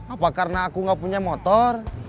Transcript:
apa karena aku nggak punya motor